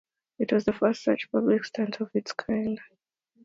It was the first such publicity stunt of its kind.